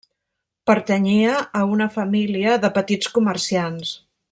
Pertanyia a una família de petits comerciants.